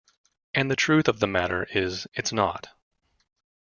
And the truth of the matter is, it's not.